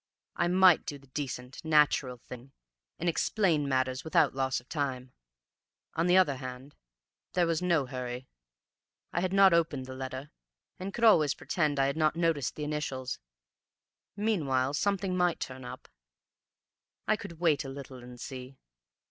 I might do the decent, natural thing, and explain matters without loss of time; on the other hand, there was no hurry. I had not opened the letter, and could always pretend I had not noticed the initials; meanwhile something might turn up. I could wait a little and see.